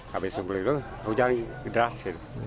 habis puting beliung hujan geras